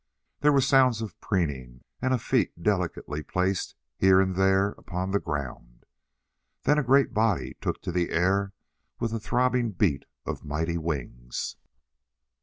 There were sounds of preening, and of feet delicately placed here and there upon the ground. Then a great body took to the air with the throbbing beat of mighty wings.